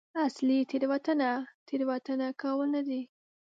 اصلي تېروتنه تېروتنه کول نه دي.